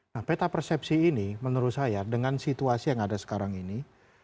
nah peta persepsi ini menurut saya dengan situasi yang ada sekarang ini